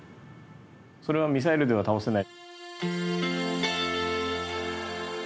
それはミサイルでは倒せない。